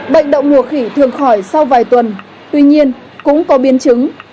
bệnh đậu mùa khỉ thường khỏi sau vài tuần tuy nhiên cũng có biến chứng